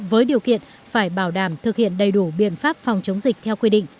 với điều kiện phải bảo đảm thực hiện đầy đủ biện pháp phòng chống dịch theo quy định